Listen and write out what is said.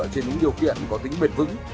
trên những điều kiện có tính bền vững